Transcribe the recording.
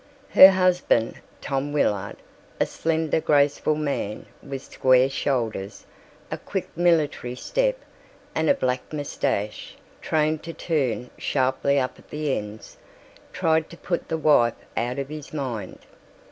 Her husband, Tom Willard, a slender, graceful man with square shoulders, a quick military step, and a black mustache trained to turn sharply up at the ends, tried to put the wife out of his mind.